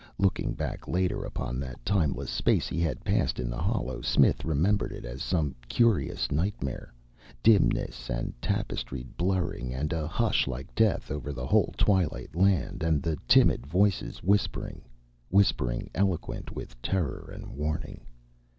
Looking back later upon that timeless space he had passed in the hollow, Smith remembered it as some curious nightmare dimness and tapestried blurring, and a hush like death over the whole twilight land, and the timid voices whispering, whispering, eloquent with terror and warning.